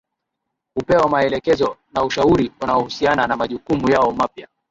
hupewa maelekezo na ushauri unaohusiana na majukumu yao mapya